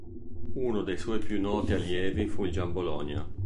Uno dei suoi più noti allievi fu il Giambologna.